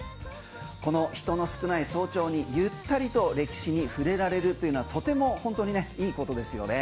この人の少ない早朝にゆったりと歴史に触れられるというのはとても本当にねいいことですよね。